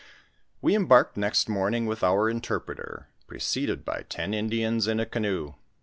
We embarked next morning with our interpreter, preceded by ten Indians in a canoe.